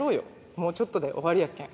もうちょっとで終わりやけん。